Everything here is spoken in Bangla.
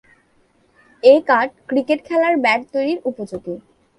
এ কাঠ ক্রিকেট খেলার ব্যাট তৈরির উপযোগী।